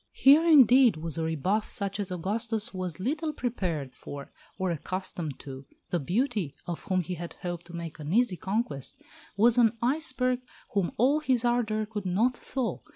Here indeed was a rebuff such as Augustus was little prepared for, or accustomed to. The beauty, of whom he had hoped to make an easy conquest, was an iceberg whom all his ardour could not thaw.